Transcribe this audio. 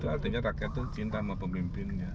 artinya rakyat itu cinta sama pemimpinnya